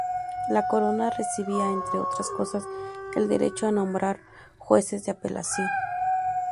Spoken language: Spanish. La Corona recibía, entre otras cosas, el derecho a nombrar jueces de apelación.